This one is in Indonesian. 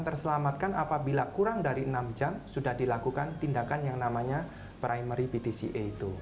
terselamatkan apabila kurang dari enam jam sudah dilakukan tindakan yang namanya primary btca itu